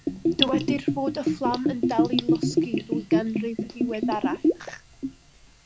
Dywedir fod y fflam yn dal i losgi ddwy ganrif yn ddiweddarach.